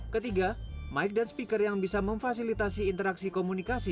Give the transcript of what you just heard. ketiga mike dan speaker yang bisa memfasilitasi interaksi komunikasi